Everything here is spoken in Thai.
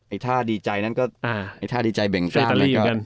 ไอ้ท่าดีใจนั้นก็ไอ้ท่าดีใจแบ่งตั้ง